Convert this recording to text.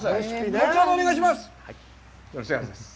後ほどお願いします！